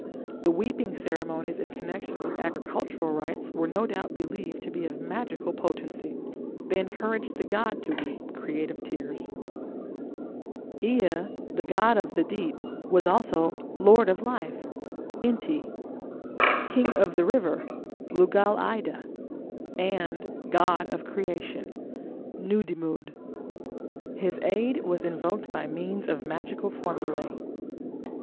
The weeping ceremonies in connection with agricultural rites were no doubt believed to be of magical potency; they encouraged the god to weep creative tears. Ea, the god of the deep, was also "lord of life" (Enti), "king of the river" (Lugal ida), and god of creation (Nudimmud). His aid was invoked by means of magical formulae.